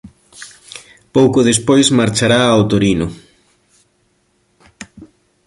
Pouco despois marchará ao Torino.